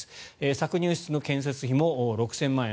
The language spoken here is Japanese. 搾乳室の建設費も６０００万円。